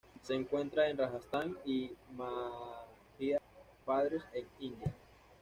Se encuentra en Rajasthan y Madhya Pradesh en India.